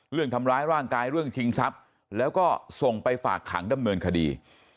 เรื่องทำร้ายร่างกายเรื่องชิงทรัพย์แล้วก็ส่งไปฝากขังดำเนินคดี